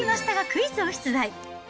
私、増田がクイズを出題。